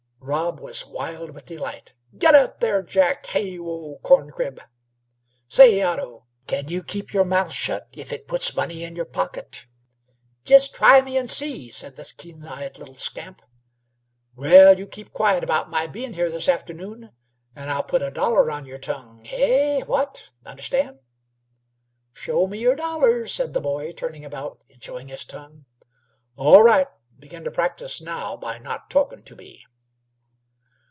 Rob was wild with delight. "Git up there, Jack! Hay, you old corncrib! Say, Otto, can you keep your mouth shet if it puts money in your pocket?" "Jest try me 'n' see," said the keen eyed little scamp. "Well, you keep quiet about my bein' here this afternoon, and I'll put a dollar on y'r tongue hay? what? understand?" "Show me y'r dollar," said the boy, turning about and showing his tongue. "All right. Begin to practise now by not talkin' to me."